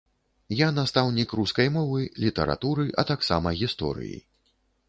Я настаўнік рускай мовы, літаратуры, а таксама гісторыі.